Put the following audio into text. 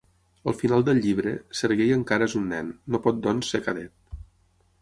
Al final del llibre, Serguei encara és un nen, no pot doncs ser cadet.